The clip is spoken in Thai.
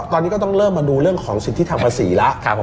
ตอนนี้ก็ต้องเริ่มมาดูเรื่องของสิทธิทางภาษีแล้ว